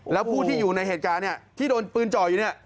แล้วผู้ที่อยู่ในเหตุการณ์เนี่ยที่โดนปืนจ่ออยู่เนี่ย